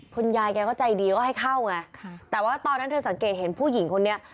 คุณยายแกก็ใจดีก็ให้เข้าไงแต่ว่าตอนนั้นเธอสังเกตเห็นผู้หญิงคนนี้